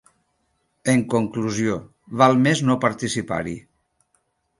En conclusió, val més no participar-hi.